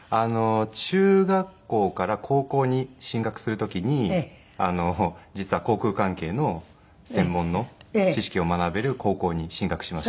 中学校から高校に進学する時に実は航空関係の専門の知識を学べる高校に進学しまして。